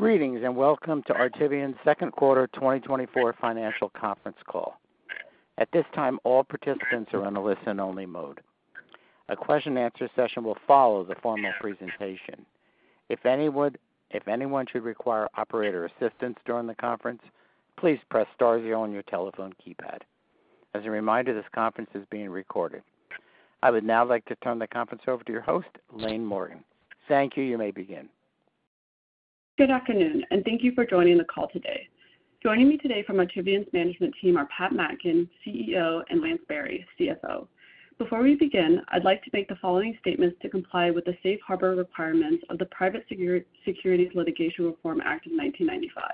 Greetings, and welcome to Artivion's Second Quarter 2024 Financial Conference Call. At this time, all participants are in a listen-only mode. A question-and-answer session will follow the formal presentation. If anyone should require operator assistance during the conference, please press star zero on your telephone keypad. As a reminder, this conference is being recorded. I would now like to turn the conference over to your host, Laine Morgan. Thank you. You may begin. Good afternoon, and thank you for joining the call today. Joining me today from Artivion's management team are Pat Mackin, CEO, and Lance Berry, CFO. Before we begin, I'd like to make the following statements to comply with the safe harbor requirements of the Private Securities Litigation Reform Act of 1995.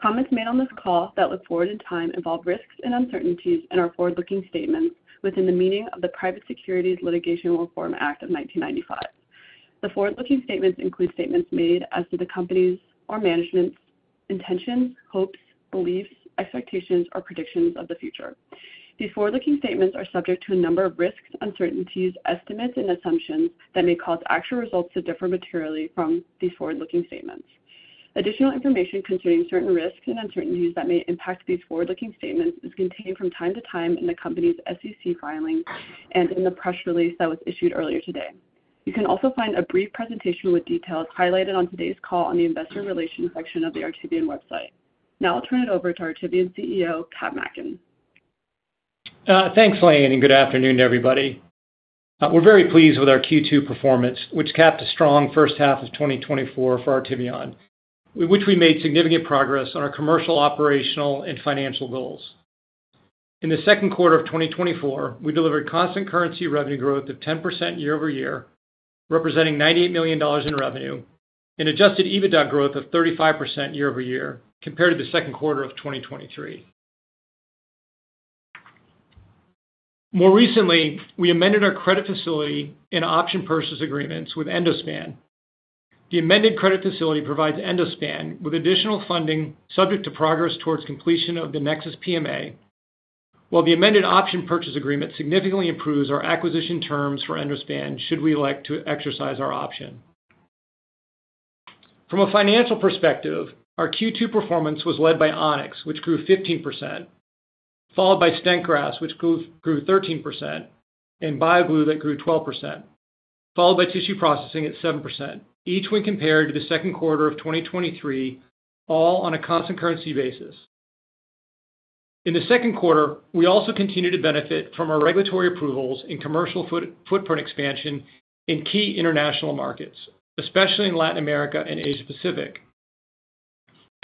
Comments made on this call that look forward in time involve risks and uncertainties and are forward-looking statements within the meaning of the Private Securities Litigation Reform Act of 1995. The forward-looking statements include statements made as to the company's or management's intentions, hopes, beliefs, expectations, or predictions of the future. These forward-looking statements are subject to a number of risks, uncertainties, estimates, and assumptions that may cause actual results to differ materially from these forward-looking statements. Additional information concerning certain risks and uncertainties that may impact these forward-looking statements is contained from time to time in the company's SEC filings and in the press release that was issued earlier today. You can also find a brief presentation with details highlighted on today's call on the investor relations section of the Artivion website. Now I'll turn it over to Artivion's CEO, Pat Mackin. Thanks, Laine, and good afternoon to everybody. We're very pleased with our Q2 performance, which capped a strong first half of 2024 for Artivion, with which we made significant progress on our commercial, operational, and financial goals. In the second quarter of 2024, we delivered constant currency revenue growth of 10% year-over-year, representing $98 million in revenue and adjusted EBITDA growth of 35% year-over-year, compared to the second quarter of 2023. More recently, we amended our credit facility and option purchase agreements with Endospan. The amended credit facility provides Endospan with additional funding subject to progress towards completion of the NEXUS PMA, while the amended option purchase agreement significantly improves our acquisition terms for Endospan should we elect to exercise our option. From a financial perspective, our Q2 performance was led by On-X, which grew 15%, followed by stent grafts, which grew 13%, and BioGlue that grew 12%, followed by tissue processing at 7%, each when compared to the second quarter of 2023, all on a constant currency basis. In the second quarter, we also continued to benefit from our regulatory approvals and commercial footprint expansion in key international markets, especially in Latin America and Asia Pacific.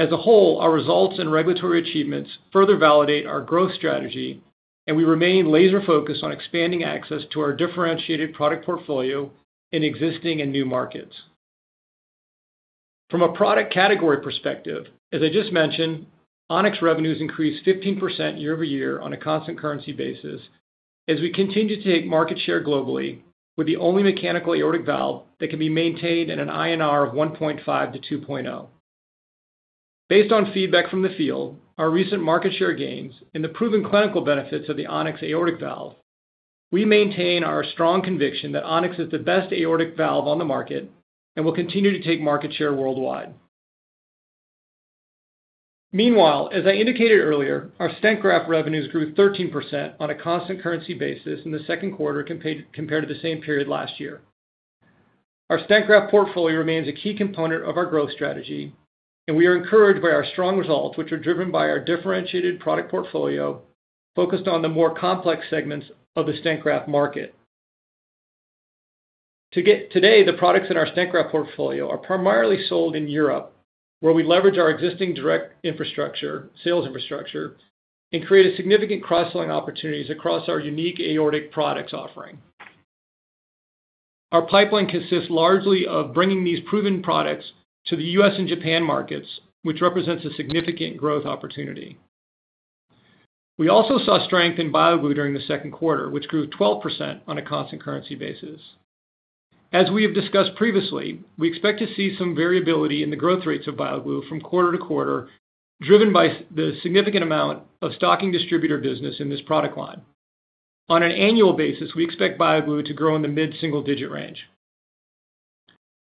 As a whole, our results and regulatory achievements further validate our growth strategy, and we remain laser-focused on expanding access to our differentiated product portfolio in existing and new markets. From a product category perspective, as I just mentioned, On-X revenues increased 15% year-over-year on a constant currency basis as we continue to take market share globally, with the only mechanical aortic valve that can be maintained in an INR of 1.5-2.0. Based on feedback from the field, our recent market share gains, and the proven clinical benefits of the On-X aortic valve, we maintain our strong conviction that On-X is the best aortic valve on the market and will continue to take market share worldwide. Meanwhile, as I indicated earlier, our stent graft revenues grew 13% on a constant currency basis in the second quarter compared to the same period last year. Our stent graft portfolio remains a key component of our growth strategy, and we are encouraged by our strong results, which are driven by our differentiated product portfolio, focused on the more complex segments of the stent graft market. Today, the products in our stent graft portfolio are primarily sold in Europe, where we leverage our existing direct sales infrastructure, and create significant cross-selling opportunities across our unique aortic products offering. Our pipeline consists largely of bringing these proven products to the U.S. and Japan markets, which represents a significant growth opportunity. We also saw strength in BioGlue during the second quarter, which grew 12% on a constant currency basis. As we have discussed previously, we expect to see some variability in the growth rates of BioGlue from quarter to quarter, driven by the significant amount of stocking distributor business in this product line. On an annual basis, we expect BioGlue to grow in the mid-single-digit range.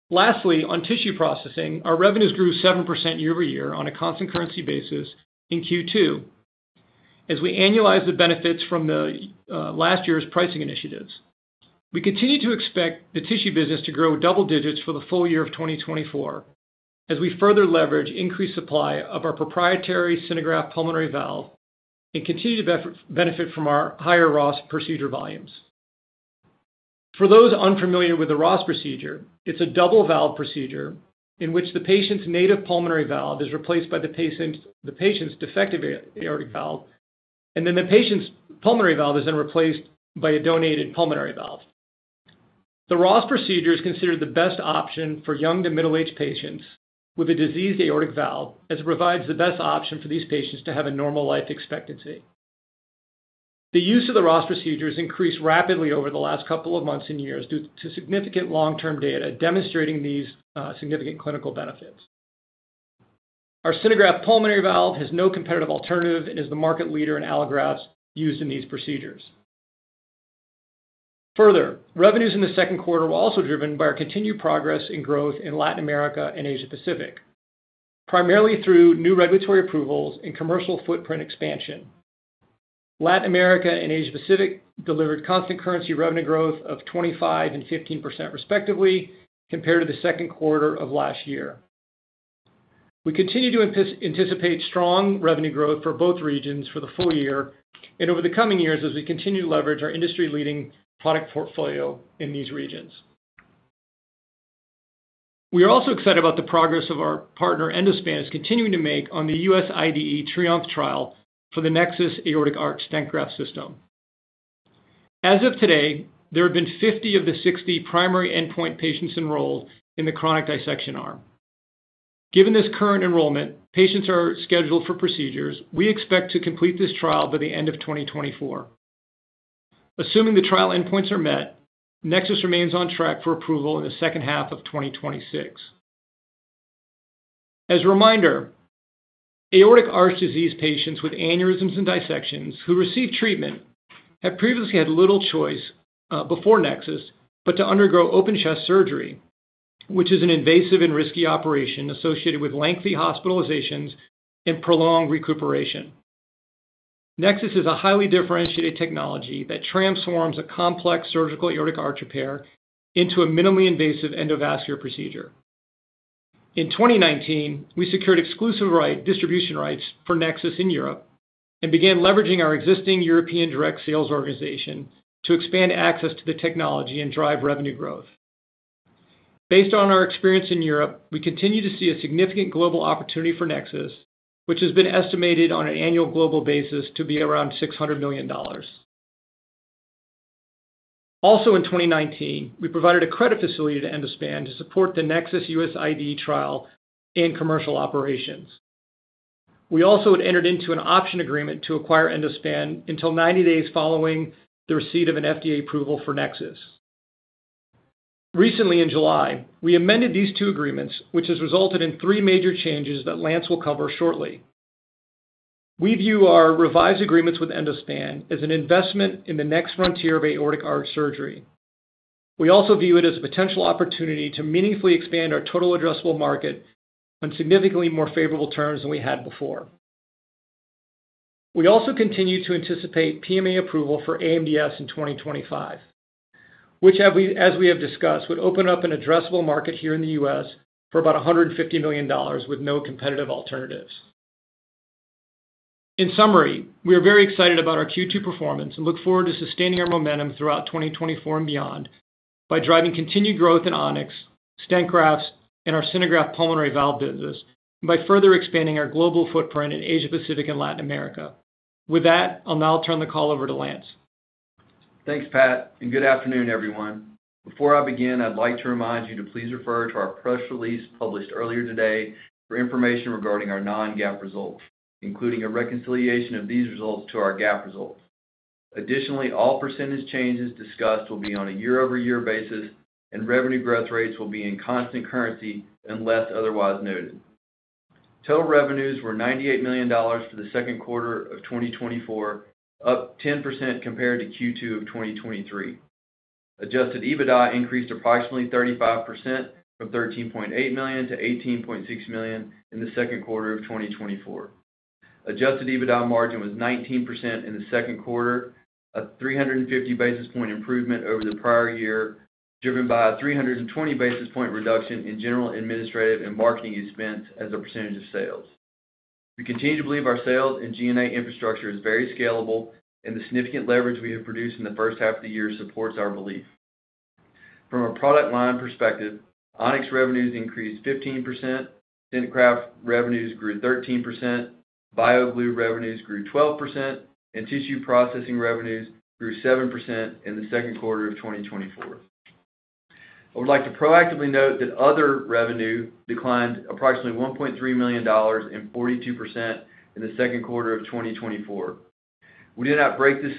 Lastly, on tissue processing, our revenues grew 7% year-over-year on a constant currency basis in Q2 as we annualize the benefits from the last year's pricing initiatives. We continue to expect the tissue business to grow double digits for the full year of 2024 as we further leverage increased supply of our proprietary SynerGraft pulmonary valve and continue to benefit from our higher Ross procedure volumes. For those unfamiliar with the Ross procedure, it's a double valve procedure in which the patient's native pulmonary valve is replaced by the patient's defective aortic valve, and then the patient's pulmonary valve is then replaced by a donated pulmonary valve. The Ross procedure is considered the best option for young to middle-aged patients with a diseased aortic valve, as it provides the best option for these patients to have a normal life expectancy. The use of the Ross procedure has increased rapidly over the last couple of months and years due to significant long-term data demonstrating these significant clinical benefits. Our SynerGraft pulmonary valve has no competitive alternative and is the market leader in allografts used in these procedures.... Further, revenues in the second quarter were also driven by our continued progress in growth in Latin America and Asia Pacific, primarily through new regulatory approvals and commercial footprint expansion. Latin America and Asia Pacific delivered constant currency revenue growth of 25% and 15% respectively, compared to the second quarter of last year. We continue to anticipate strong revenue growth for both regions for the full year and over the coming years as we continue to leverage our industry-leading product portfolio in these regions. We are also excited about the progress of our partner Endospan is continuing to make on the U.S. IDE TRIOMPHE trial for the NEXUS Aortic Arch Stent Graft System. As of today, there have been 50 of the 60 primary endpoint patients enrolled in the chronic dissection arm. Given this current enrollment, patients are scheduled for procedures. We expect to complete this trial by the end of 2024. Assuming the trial endpoints are met, NEXUS remains on track for approval in the second half of 2026. As a reminder, aortic arch disease patients with aneurysms and dissections who receive treatment have previously had little choice, before NEXUS, but to undergo open chest surgery, which is an invasive and risky operation associated with lengthy hospitalizations and prolonged recuperation. NEXUS is a highly differentiated technology that transforms a complex surgical aortic arch repair into a minimally invasive endovascular procedure. In 2019, we secured exclusive distribution rights for NEXUS in Europe and began leveraging our existing European direct sales organization to expand access to the technology and drive revenue growth. Based on our experience in Europe, we continue to see a significant global opportunity for NEXUS, which has been estimated on an annual global basis to be around $600 million. Also in 2019, we provided a credit facility to Endospan to support the NEXUS U.S. IDE trial and commercial operations. We also had entered into an option agreement to acquire Endospan until 90 days following the receipt of an FDA approval for NEXUS. Recently, in July, we amended these two agreements, which has resulted in three major changes that Lance will cover shortly. We view our revised agreements with Endospan as an investment in the next frontier of aortic arch surgery. We also view it as a potential opportunity to meaningfully expand our total addressable market on significantly more favorable terms than we had before. We also continue to anticipate PMA approval for AMDS in 2025, which, as we have discussed, would open up an addressable market here in the U.S. for about $150 million with no competitive alternatives. In summary, we are very excited about our Q2 performance and look forward to sustaining our momentum throughout 2024 and beyond by driving continued growth in On-X, stent grafts, and our SynerGraft pulmonary valve business, and by further expanding our global footprint in Asia Pacific and Latin America. With that, I'll now turn the call over to Lance. Thanks, Pat, and good afternoon, everyone. Before I begin, I'd like to remind you to please refer to our press release published earlier today for information regarding our non-GAAP results, including a reconciliation of these results to our GAAP results. Additionally, all percentage changes discussed will be on a year-over-year basis, and revenue growth rates will be in constant currency unless otherwise noted. Total revenues were $98 million for the second quarter of 2024, up 10% compared to Q2 of 2023. Adjusted EBITDA increased approximately 35% from $13.8 million to $18.6 million in the second quarter of 2024. Adjusted EBITDA margin was 19% in the second quarter, a 350 basis points improvement over the prior year, driven by a 320 basis points reduction in general, administrative and marketing expense as a percentage of sales. We continue to believe our sales and G&A infrastructure is very scalable, and the significant leverage we have produced in the first half of the year supports our belief. From a product line perspective, On-X revenues increased 15%, stent graft revenues grew 13%, BioGlue revenues grew 12%, and tissue processing revenues grew 7% in the second quarter of 2024. I would like to proactively note that other revenue declined approximately $1.3 million and 42% in the second quarter of 2024. We did not break this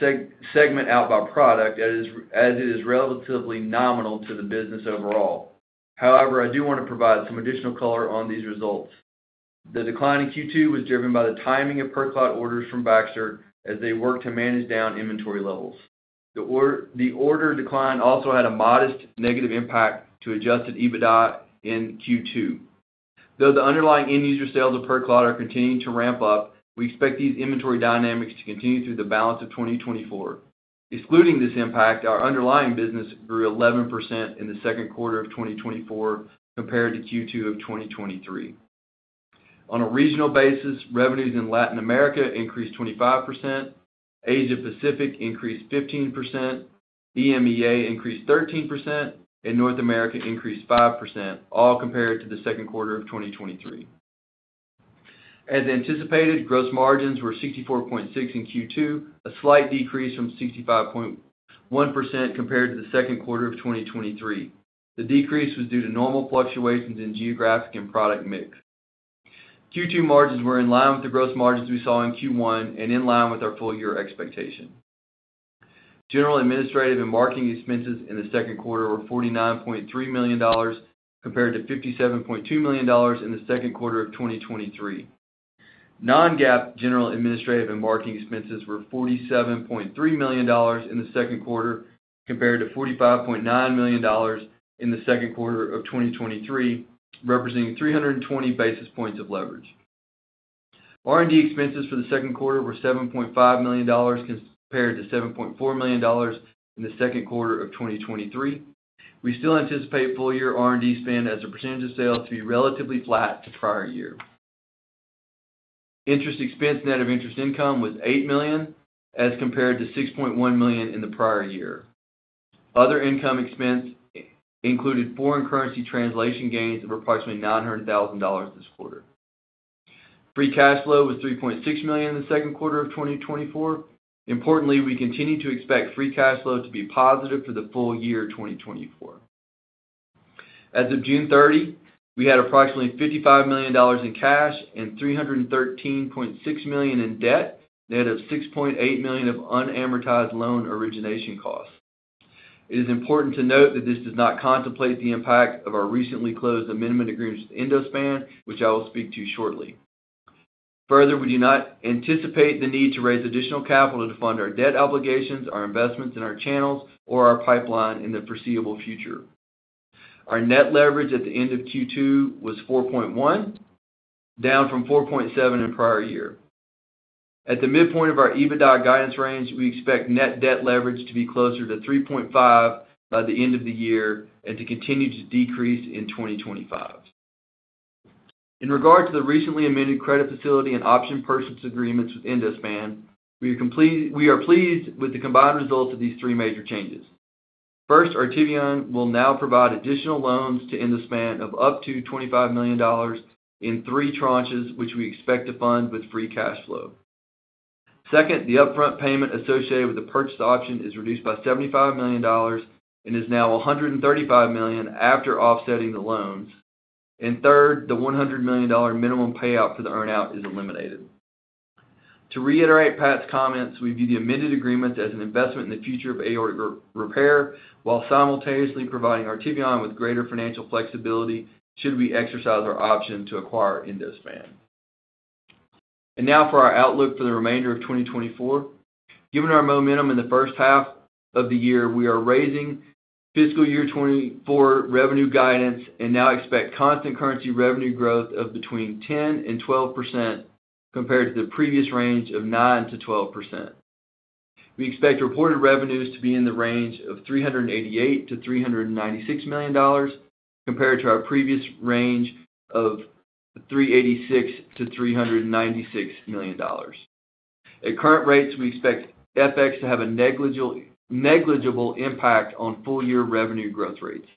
segment out by product, as it is relatively nominal to the business overall. However, I do want to provide some additional color on these results. The decline in Q2 was driven by the timing of PerClot orders from Baxter as they work to manage down inventory levels. The order decline also had a modest negative impact to adjusted EBITDA in Q2. Though the underlying end user sales of PerClot are continuing to ramp up, we expect these inventory dynamics to continue through the balance of 2024. Excluding this impact, our underlying business grew 11% in the second quarter of 2024 compared to Q2 of 2023. On a regional basis, revenues in Latin America increased 25%, Asia Pacific increased 15%, EMEA increased 13%, and North America increased 5%, all compared to the second quarter of 2023. As anticipated, gross margins were 64.6% in Q2, a slight decrease from 65.1% compared to the second quarter of 2023. The decrease was due to normal fluctuations in geographic and product mix. Q2 margins were in line with the gross margins we saw in Q1 and in line with our full year expectation. General, administrative, and marketing expenses in the second quarter were $49.3 million, compared to $57.2 million in the second quarter of 2023. Non-GAAP general administrative and marketing expenses were $47.3 million in the second quarter, compared to $45.9 million in the second quarter of 2023, representing 320 basis points of leverage. R&D expenses for the second quarter were $7.5 million, compared to $7.4 million in the second quarter of 2023. We still anticipate full-year R&D spend as a percentage of sales to be relatively flat to prior year. Interest expense net of interest income was $8 million, as compared to $6.1 million in the prior year. Other income expense included foreign currency translation gains of approximately $900,000 this quarter. Free cash flow was $3.6 million in the second quarter of 2024. Importantly, we continue to expect free cash flow to be positive for the full year 2024. As of June 30, we had approximately $55 million in cash and $313.6 million in debt, net of $6.8 million of unamortized loan origination costs. It is important to note that this does not contemplate the impact of our recently closed amendment agreement with Endospan, which I will speak to shortly. Further, we do not anticipate the need to raise additional capital to fund our debt obligations, our investments in our channels, or our pipeline in the foreseeable future. Our net leverage at the end of Q2 was 4.1x, down from 4.7x in prior year. At the midpoint of our EBITDA guidance range, we expect net debt leverage to be closer to 3.5x by the end of the year and to continue to decrease in 2025. In regard to the recently amended credit facility and option purchase agreements with Endospan, we are pleased with the combined results of these three major changes. First, Artivion will now provide additional loans to Endospan of up to $25 million in three tranches, which we expect to fund with free cash flow. Second, the upfront payment associated with the purchased option is reduced by $75 million and is now $135 million after offsetting the loans. And third, the $100 million minimum payout for the earn-out is eliminated. To reiterate Pat's comments, we view the amended agreement as an investment in the future of aortic repair, while simultaneously providing Artivion with greater financial flexibility should we exercise our option to acquire Endospan. And now for our outlook for the remainder of 2024. Given our momentum in the first half of the year, we are raising fiscal year 2024 revenue guidance and now expect constant currency revenue growth of between 10% and 12%, compared to the previous range of 9%-12%. We expect reported revenues to be in the range of $388 million-$396 million, compared to our previous range of $386 million-$396 million. At current rates, we expect FX to have a negligible impact on full-year revenue growth rates.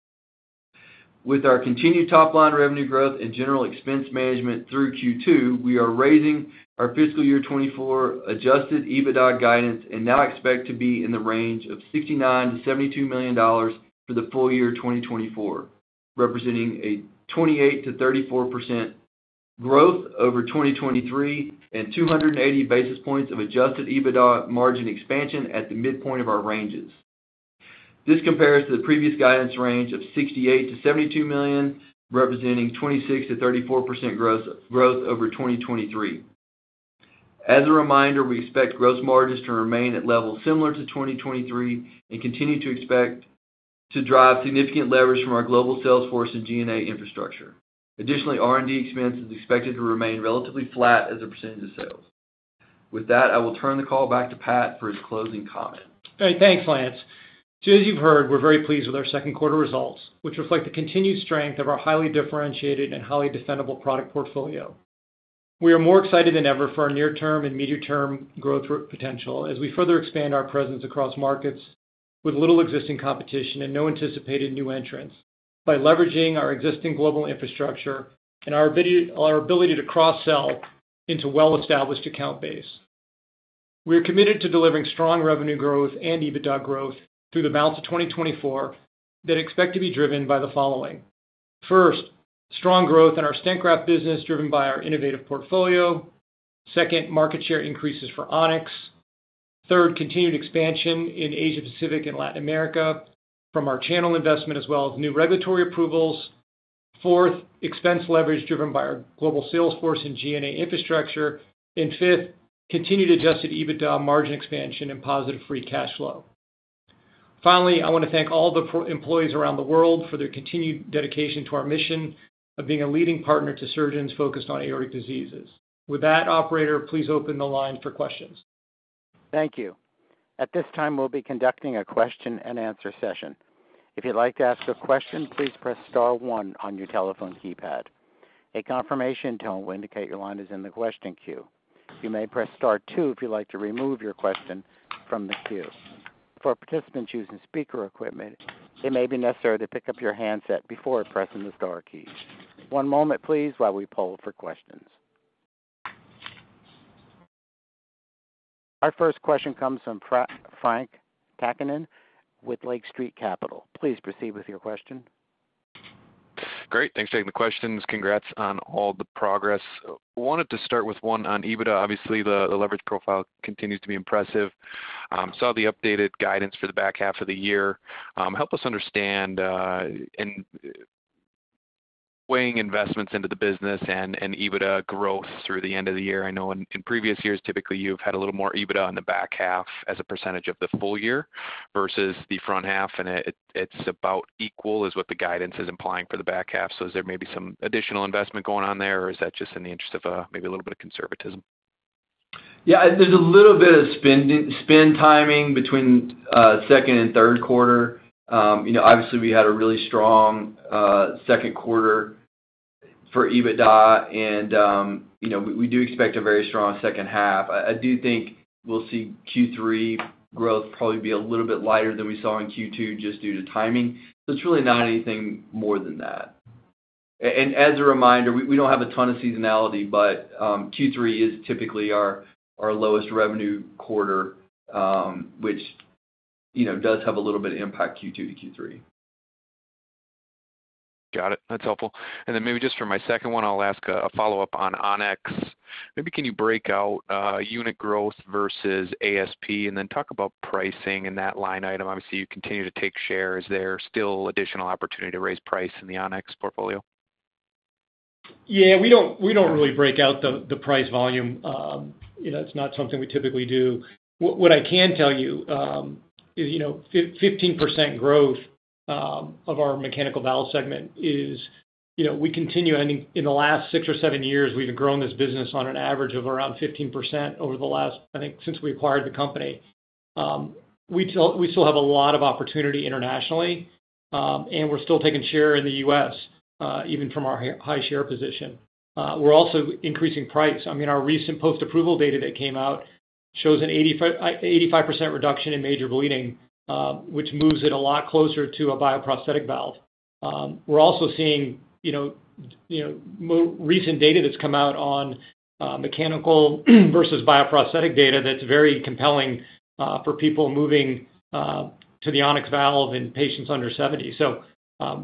With our continued top-line revenue growth and general expense management through Q2, we are raising our fiscal year 2024 adjusted EBITDA guidance and now expect to be in the range of $69 million-$72 million for the full year 2024, representing a 28%-34% growth over 2023 and 280 basis points of adjusted EBITDA margin expansion at the midpoint of our ranges. This compares to the previous guidance range of $68 million-$72 million, representing 26%-34% growth over 2023. As a reminder, we expect gross margins to remain at levels similar to 2023 and continue to expect to drive significant leverage from our global sales force and G&A infrastructure. Additionally, R&D expense is expected to remain relatively flat as a percentage of sales. With that, I will turn the call back to Pat for his closing comment. All right, thanks, Lance. So as you've heard, we're very pleased with our second quarter results, which reflect the continued strength of our highly differentiated and highly defendable product portfolio. We are more excited than ever for our near-term and medium-term growth potential as we further expand our presence across markets with little existing competition and no anticipated new entrants, by leveraging our existing global infrastructure and our ability to cross-sell into well-established account base. We are committed to delivering strong revenue growth and EBITDA growth through the balance of 2024 that expect to be driven by the following: First, strong growth in our stent graft business, driven by our innovative portfolio. Second, market share increases for On-X. Third, continued expansion in Asia Pacific and Latin America from our channel investment, as well as new regulatory approvals. Fourth, expense leverage driven by our global sales force and G&A infrastructure. And fifth, continued adjusted EBITDA margin expansion and positive free cash flow. Finally, I want to thank all the our employees around the world for their continued dedication to our mission of being a leading partner to surgeons focused on aortic diseases. With that, operator, please open the line for questions. Thank you. At this time, we'll be conducting a question-and-answer session. If you'd like to ask a question, please press star one on your telephone keypad. A confirmation tone will indicate your line is in the question queue. You may press star two if you'd like to remove your question from the queue. For participants using speaker equipment, it may be necessary to pick up your handset before pressing the star keys. One moment, please, while we poll for questions. Our first question comes from Frank Takkinen with Lake Street Capital. Please proceed with your question. Great. Thanks for taking the questions. Congrats on all the progress. Wanted to start with one on EBITDA. Obviously, the leverage profile continues to be impressive... Saw the updated guidance for the back half of the year. Help us understand, in weighing investments into the business and EBITDA growth through the end of the year. I know in previous years, typically, you've had a little more EBITDA on the back half as a percentage of the full year versus the front half, and it's about equal is what the guidance is implying for the back half. So is there maybe some additional investment going on there, or is that just in the interest of maybe a little bit of conservatism? Yeah, there's a little bit of spending timing between second and third quarter. You know, obviously, we had a really strong second quarter for EBITDA, and you know, we do expect a very strong second half. I do think we'll see Q3 growth probably be a little bit lighter than we saw in Q2, just due to timing. So it's really not anything more than that. And as a reminder, we don't have a ton of seasonality, but Q3 is typically our lowest revenue quarter, which you know, does have a little bit of impact, Q2 to Q3. Got it. That's helpful. And then maybe just for my second one, I'll ask a follow-up on On-X. Maybe can you break out, unit growth versus ASP, and then talk about pricing in that line item? Obviously, you continue to take shares. Is there still additional opportunity to raise price in the On-X portfolio? Yeah, we don't, we don't really break out the, the price volume. You know, it's not something we typically do. What, what I can tell you, is, you know, 15% growth of our mechanical valve segment is... You know, we continue, I think, in the last six or seven years, we've grown this business on an average of around 15% over the last, I think, since we acquired the company. We still, we still have a lot of opportunity internationally, and we're still taking share in the U.S., even from our high share position. We're also increasing price. I mean, our recent post-approval data that came out shows an 85% reduction in major bleeding, which moves it a lot closer to a bioprosthetic valve. We're also seeing, you know, you know, more recent data that's come out on mechanical versus bioprosthetic data that's very compelling for people moving to the On-X valve in patients under 70. So,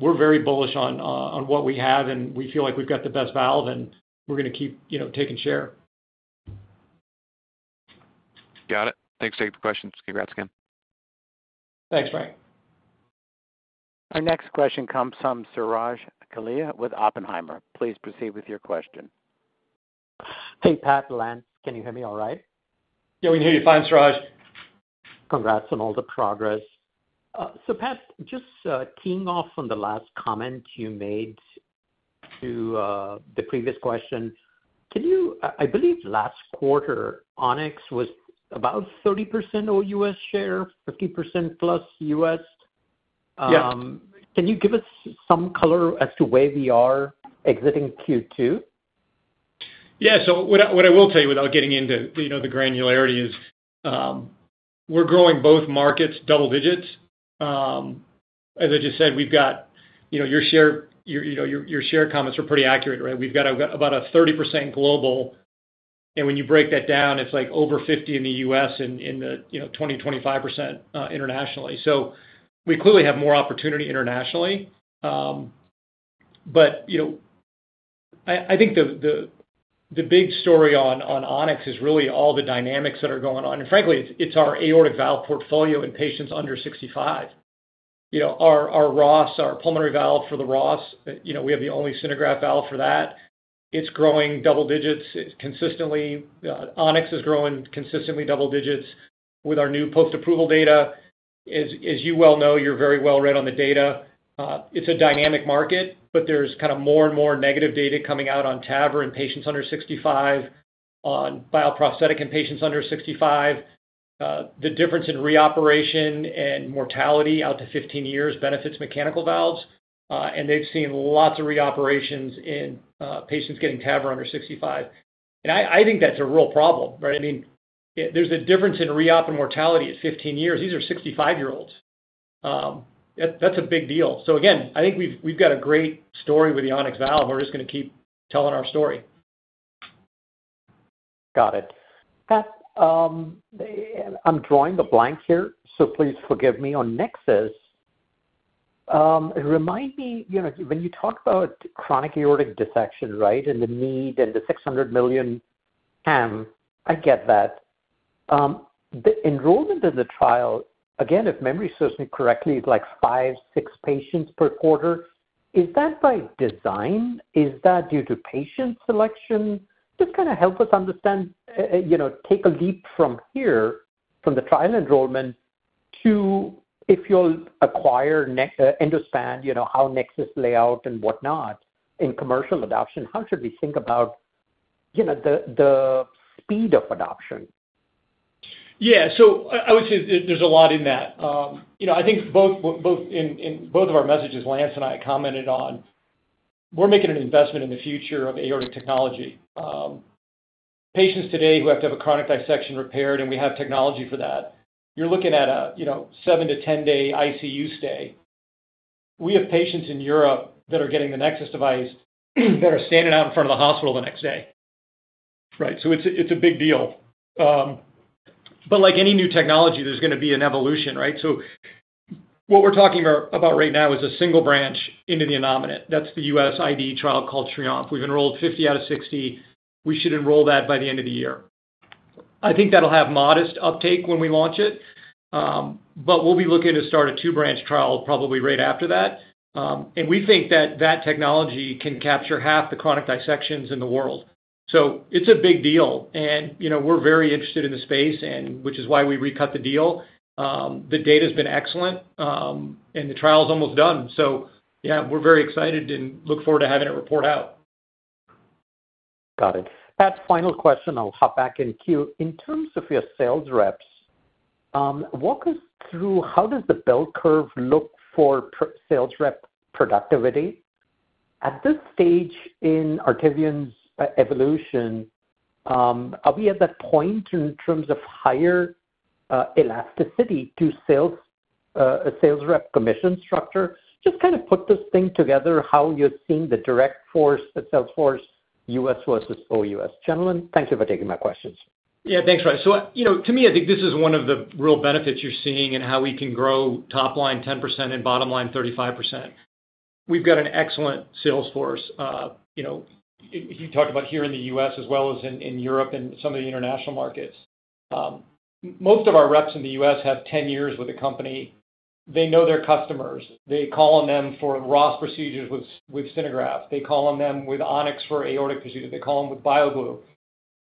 we're very bullish on on what we have, and we feel like we've got the best valve, and we're gonna keep, you know, taking share. Got it. Thanks for taking the questions. Congrats again. Thanks, Frank. Our next question comes from Suraj Kalia with Oppenheimer. Please proceed with your question. Hey, Pat, Lance, can you hear me all right? Yeah, we can hear you fine, Suraj. Congrats on all the progress. So Pat, just keying off on the last comment you made to the previous question. Can you, I believe last quarter, On-X was about 30% all U.S share, 50%+ U.S.? Yeah. Can you give us some color as to where we are exiting Q2? Yeah. So what I will tell you, without getting into, you know, the granularity is, we're growing both markets double digits. As I just said, we've got, you know, your share comments are pretty accurate, right? We've got about a 30% global, and when you break that down, it's like over 50 in the U.S. and the, you know, 20%, 25%, internationally. So we clearly have more opportunity internationally. But, you know, I think the big story on On-X is really all the dynamics that are going on. And frankly, it's our aortic valve portfolio in patients under 65. You know, our Ross, our pulmonary valve for the Ross, you know, we have the only SynerGraft valve for that. It's growing double digits. It's consistently. On-X is growing consistently double digits with our new post-approval data. As you well know, you're very well read on the data. It's a dynamic market, but there's kind of more and more negative data coming out on TAVR in patients under 65, on bioprosthetic in patients under 65. The difference in reoperation and mortality out to 15 years benefits mechanical valves, and they've seen lots of reoperations in patients getting TAVR under 65. And I think that's a real problem, right? I mean, there's a difference in reop and mortality at 15 years. These are 65-year-olds. That's a big deal. So again, I think we've got a great story with the On-X valve. We're just gonna keep telling our story. Got it. Pat, I'm drawing the blanks here, so please forgive me. On NEXUS, remind me, you know, when you talk about chronic aortic dissection, right, and the need and the $600 million TAM, I get that. The enrollment in the trial, again, if memory serves me correctly, is like five, six patients per quarter. Is that by design? Is that due to patient selection? Just kind of help us understand, you know, take a leap from here, from the trial enrollment to if you'll acquire NEXUS, Endospan, you know, how NEXUS lay out and whatnot in commercial adoption, how should we think about, you know, the, the speed of adoption? Yeah. So I would say there, there's a lot in that. You know, I think both... In both of our messages, Lance and I commented on, we're making an investment in the future of aortic technology. Patients today who have to have a chronic dissection repaired, and we have technology for that, you're looking at a, you know, seven to 10 day ICU stay. We have patients in Europe that are getting the NEXUS device that are standing out in front of the hospital the next day, right? So it's a big deal. But like any new technology, there's gonna be an evolution, right? So what we're talking about right now is a single branch into the innominate. That's the U.S. IDE trial called TRIOMPHE. We've enrolled 50 out of 60. We should enroll that by the end of the year. I think that'll have modest uptake when we launch it, but we'll be looking to start a two-branch trial probably right after that. And we think that that technology can capture half the chronic dissections in the world. So it's a big deal, and, you know, we're very interested in the space, and which is why we recut the deal. The data's been excellent, and the trial's almost done. So yeah, we're very excited and look forward to having it report out. Got it. Pat, final question, I'll hop back in queue. In terms of your sales reps, walk us through how does the bell curve look for sales rep productivity? At this stage in Artivion's evolution, are we at that point in terms of higher elasticity to sales, a sales rep commission structure? Just kind of put this thing together, how you're seeing the direct force, the sales force, U.S. versus OUS. Gentlemen, thank you for taking my questions. Yeah, thanks, Raj. So, you know, to me, I think this is one of the real benefits you're seeing in how we can grow top line 10% and bottom line 35%. We've got an excellent sales force. You know, if you talk about here in the U.S. as well as in Europe and some of the international markets, most of our reps in the U.S. have 10 years with the company. They know their customers. They call on them for Ross procedures with SynerGraft. They call on them with On-X for aortic procedures. They call on them with BioGlue.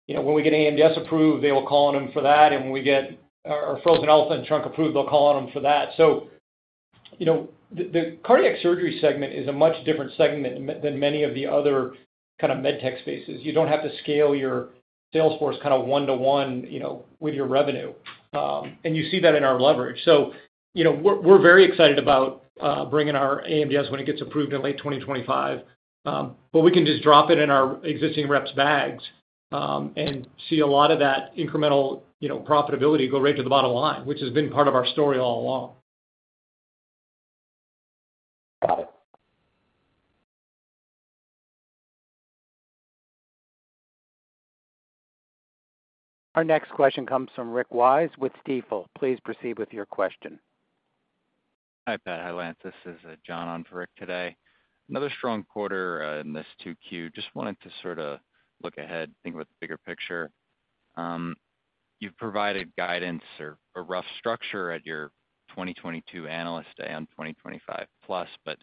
You know, when we get AMDS approved, they will call on them for that, and when we get our frozen elephant trunk approved, they'll call on them for that. So, you know, the cardiac surgery segment is a much different segment than many of the other kind of med tech spaces. You don't have to scale your sales force kind of one to one, you know, with your revenue, and you see that in our leverage. So, you know, we're very excited about bringing our AMDS when it gets approved in late 2025, but we can just drop it in our existing reps' bags, and see a lot of that incremental, you know, profitability go right to the bottom line, which has been part of our story all along. Got it. Our next question comes from Rick Wise with Stifel. Please proceed with your question. Hi, Pat. Hi, Lance. This is John on for Rick today. Another strong quarter in this 2Q. Just wanted to sort of look ahead, think about the bigger picture. You've provided guidance or a rough structure at your 2022 Analyst Day on 2025+, but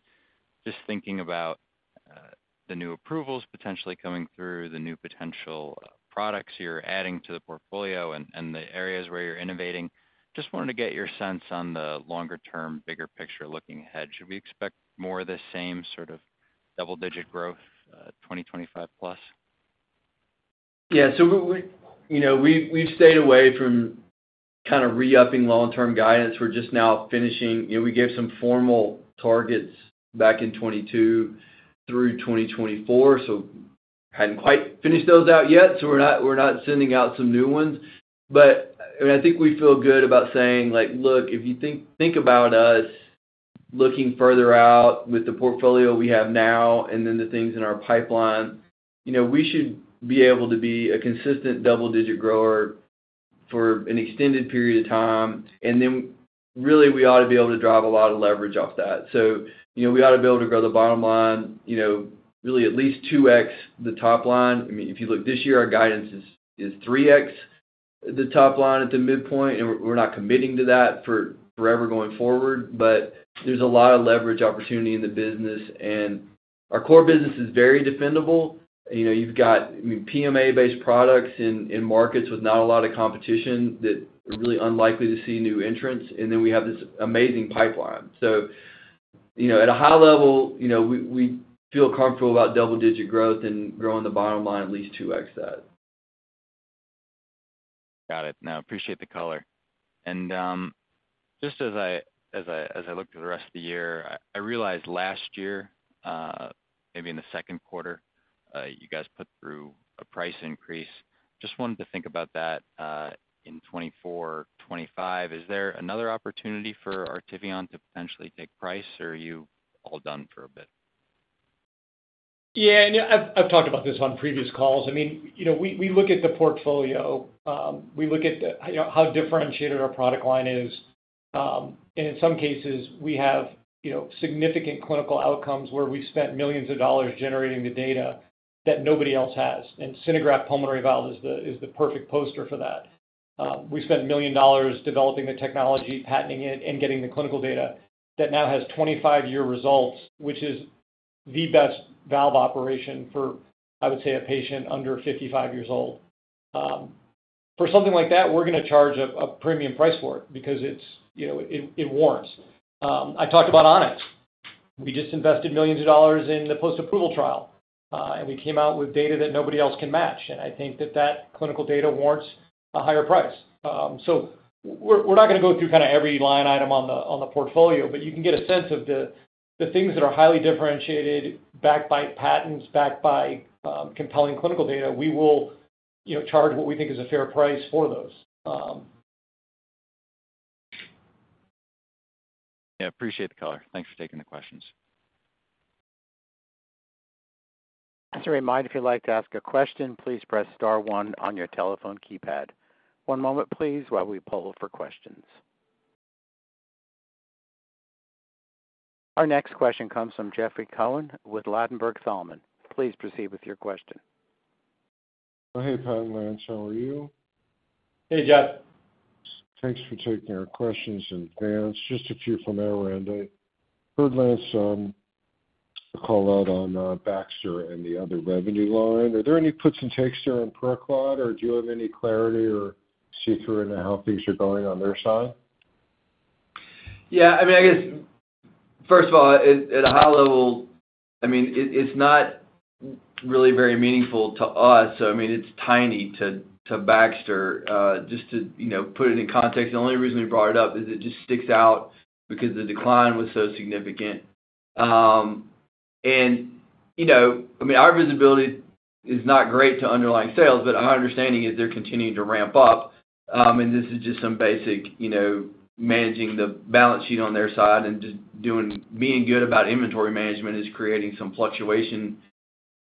just thinking about the new approvals potentially coming through, the new potential products you're adding to the portfolio and, and the areas where you're innovating, just wanted to get your sense on the longer-term, bigger picture looking ahead. Should we expect more of the same sort of double-digit growth 2025+? Yeah, so we you know, we've stayed away from kind of re-upping long-term guidance. We're just now finishing. You know, we gave some formal targets back in 2022 through 2024, so we hadn't quite finished those out yet, so we're not sending out some new ones. But, and I think we feel good about saying, like, look, if you think about us looking further out with the portfolio we have now and then the things in our pipeline, you know, we should be able to be a consistent double-digit grower for an extended period of time, and then really, we ought to be able to drive a lot of leverage off that. So, you know, we ought to be able to grow the bottom line, you know, really at least 2x the top line. I mean, if you look this year, our guidance is 3x the top line at the midpoint, and we're not committing to that for forever going forward, but there's a lot of leverage opportunity in the business, and our core business is very defendable. You know, you've got, I mean, PMA-based products in markets with not a lot of competition that are really unlikely to see new entrants, and then we have this amazing pipeline. So, you know, at a high level, you know, we feel comfortable about double-digit growth and growing the bottom line at least 2x that. Got it. No, appreciate the color. And just as I look to the rest of the year, I realized last year, maybe in the second quarter, you guys put through a price increase. Just wanted to think about that, in 2024, 2025. Is there another opportunity for Artivion to potentially take price, or are you all done for a bit? Yeah, and I've talked about this on previous calls. I mean, you know, we look at the portfolio, we look at the, you know, how differentiated our product line is, and in some cases, we have, you know, significant clinical outcomes where we've spent millions of dollars generating the data that nobody else has, and SynerGraft pulmonary valve is the perfect poster for that. We spent million dollars developing the technology, patenting it, and getting the clinical data that now has 25-year results, which is the best valve operation for, I would say, a patient under 55 years old. For something like that, we're gonna charge a premium price for it because it's, you know, it warrants. I talked about On-X. We just invested millions of dollars in the post-approval trial, and we came out with data that nobody else can match, and I think that that clinical data warrants a higher price. So we're, we're not gonna go through kind of every line item on the, on the portfolio, but you can get a sense of the, the things that are highly differentiated, backed by patents, backed by, compelling clinical data, we will, you know, charge what we think is a fair price for those. Yeah, appreciate the color. Thanks for taking the questions. Just a reminder, if you'd like to ask a question, please press star one on your telephone keypad. One moment please, while we poll for questions. Our next question comes from Jeffrey Cohen with Ladenburg Thalmann. Please proceed with your question. Hey, Pat and Lance, how are you? Hey, Jeff. Thanks for taking our questions in advance. Just a few from our end. I heard Lance call out on Baxter and the other revenue line. Are there any puts and takes there on PerClot, or do you have any clarity or see-through into how things are going on their side? Yeah, I mean, I guess, first of all, at a high level, I mean, it's not really very meaningful to us. So I mean, it's tiny to Baxter. Just to, you know, put it in context, the only reason we brought it up is it just sticks out because the decline was so significant. And, you know, I mean, our visibility is not great to underlying sales, but our understanding is they're continuing to ramp up. And this is just some basic, you know, managing the balance sheet on their side and just being good about inventory management is creating some fluctuation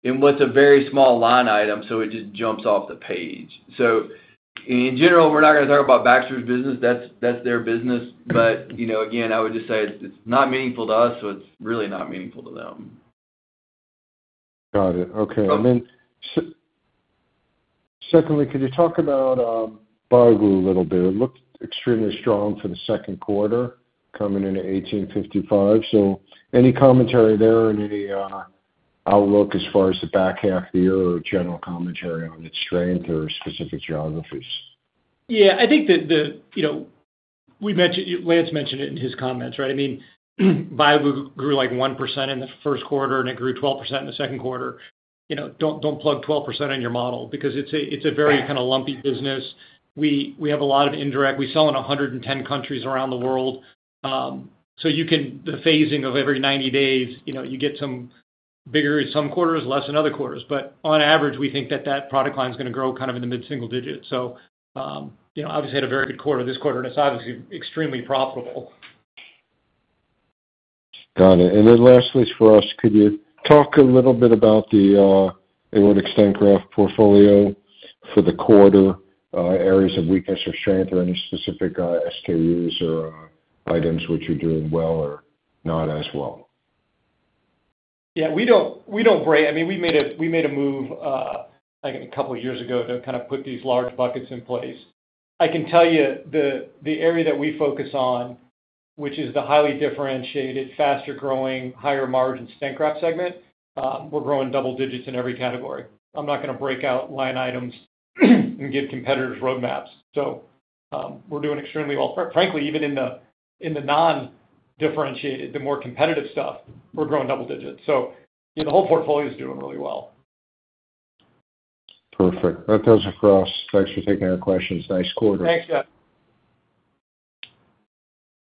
in what's a very small line item, so it just jumps off the page. So in general, we're not gonna talk about Baxter's business. That's their business. You know, again, I would just say it's not meaningful to us, so it's really not meaningful to them. Got it. Okay. Um. Then secondly, could you talk about BioGlue a little bit? It looked extremely strong for the second quarter, coming in at [1855]. So any commentary there or any outlook as far as the back half of the year or general commentary on its strength or specific geographies? Yeah, I think that the, you know, we mentioned—Lance mentioned it in his comments, right? I mean, BioGlue grew, like, 1% in the first quarter, and it grew 12% in the second quarter. You know, don't, don't plug 12% on your model because it's a, it's a very kinda lumpy business. We, we have a lot of indirect. We sell in 110 countries around the world. So you can—the phasing of every 90 days, you know, you get some bigger in some quarters, less in other quarters. But on average, we think that that product line is gonna grow kind of in the mid-single digits. So, you know, obviously, had a very good quarter this quarter, and it's obviously extremely profitable. Got it. And then lastly for us, could you talk a little bit about the aortic stent graft portfolio for the quarter, areas of weakness or strength, or any specific SKUs or items which are doing well or not as well? Yeah, we don't break—I mean, we made a move, I think a couple of years ago to kind of put these large buckets in place. I can tell you the area that we focus on, which is the highly differentiated, faster-growing, higher-margin stent graft segment, we're growing double digits in every category. I'm not gonna break out line items and give competitors roadmaps. So, we're doing extremely well. Frankly, even in the non-differentiated, the more competitive stuff, we're growing double digits. So, you know, the whole portfolio is doing really well. Perfect. That does it for us. Thanks for taking our questions. Nice quarter. Thanks, Jeff.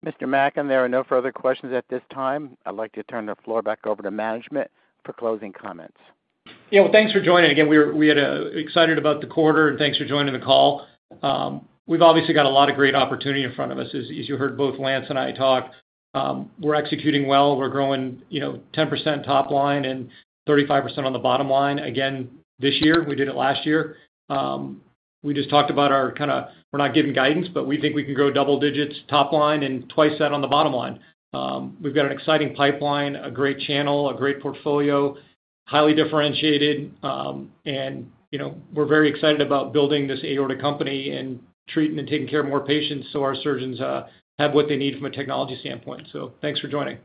Mr. Mackin, there are no further questions at this time. I'd like to turn the floor back over to management for closing comments. Yeah, well, thanks for joining. Again, we were excited about the quarter, and thanks for joining the call. We've obviously got a lot of great opportunity in front of us. As you heard both Lance and I talk, we're executing well. We're growing, you know, 10% top line and 35% on the bottom line again this year. We did it last year. We just talked about our kinda... We're not giving guidance, but we think we can grow double digits top line and twice that on the bottom line. We've got an exciting pipeline, a great channel, a great portfolio, highly differentiated, and, you know, we're very excited about building this aorta company and treating and taking care of more patients, so our surgeons have what they need from a technology standpoint. So thanks for joining.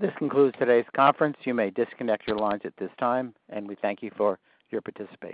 This concludes today's conference. You may disconnect your lines at this time, and we thank you for your participation.